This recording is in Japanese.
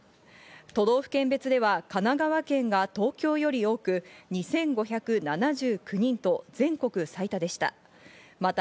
都道府県別では神奈川県が東京より多く２５７９人と全国最多でした。